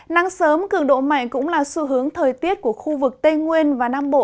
nắng sớm cường độ mạnh cũng là xu hướng thời tiết của khu vực tây nguyên và nam bộ